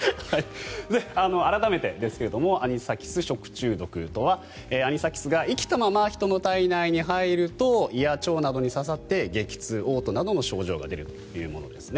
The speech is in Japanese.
改めてですがアニサキス食中毒とはアニサキスが生きたまま人の体内に入ると胃や腸などに刺さって激痛、おう吐などの症状が出るというものです。